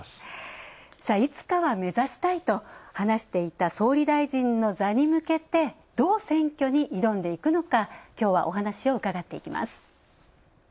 いつかは目指したいと話していた総理大臣の座に向けて、どう選挙に挑んでいくのかきょうはお話を伺っていきます。